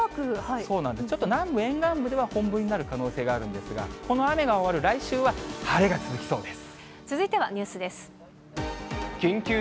ちょっと南部沿岸部では本降りになる可能性があるんですが、この雨が終わる来週は、晴れが続きそうです。